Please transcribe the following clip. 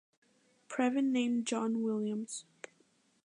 Previn named John Williams.